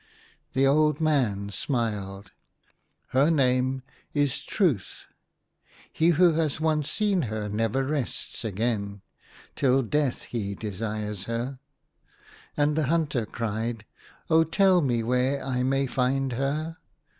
The old man smiled. " Her name is Truth. He who has once seen her never rests again. Till death he desires her." And the hunter cried —" Oh, tell me where I may find her."